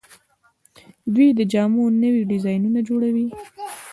دوی د جامو نوي ډیزاینونه جوړوي.